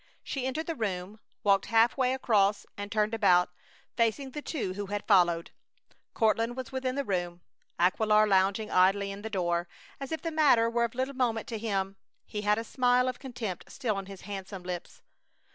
She entered the room, walked half way across, and turned about, facing the two who had followed. Courtland was within the room, Aquilar lounging idly in the door, as if the matter were of little moment to him. He had a smile of contempt still on his handsome lips.